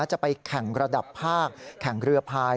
จะไปแข่งระดับภาคแข่งเรือพาย